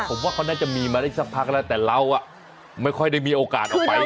ผมว่าเขาน่าจะมีมาได้สักพักแล้วแต่เราไม่ค่อยได้มีโอกาสออกไป